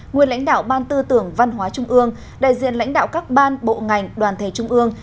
nguyên lãnh đạo ban tư tưởng văn hóa trung ương đại diện lãnh đạo các ban bộ ngành đoàn thể trung ương